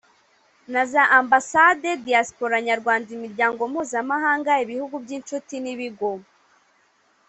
naza ambasade diyasipora nyarwanda imiryango mpuzamahanga ibihugu by inshuti n ibigo